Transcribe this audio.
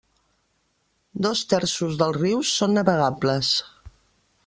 Dos terços dels rius són navegables.